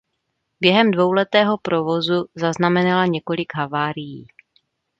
Během dvouletého provozu zaznamenala několik havárií.